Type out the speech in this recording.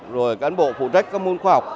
rồi cán bộ phụ trách các môn khoa học